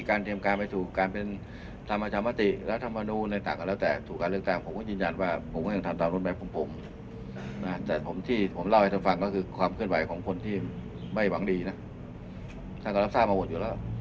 การเทรมการไปสู่การเป็นสามชาวมัธิและสามวนูในต่างกันแล้วแต่